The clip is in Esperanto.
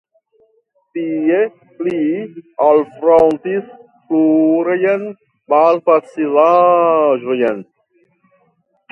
Tie li alfrontis plurajn malfacilaĵojn.